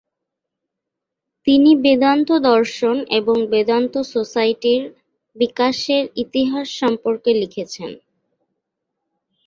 তিনি বেদান্ত দর্শন এবং বেদান্ত সোসাইটির বিকাশের ইতিহাস সম্পর্কে লিখেছেন।